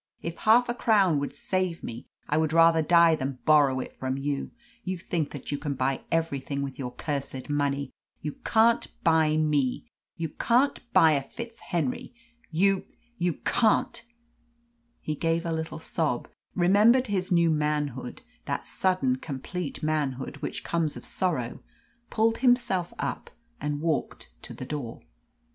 If half a crown would save me, I would rather die than borrow it from you. You think that you can buy everything with your cursed money. You can't buy me. You can't buy a FitzHenry. You you can't " He gave a little sob, remembered his new manhood that sudden, complete manhood which comes of sorrow pulled himself up, and walked to the door.